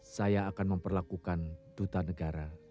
saya akan memperlakukan duta negara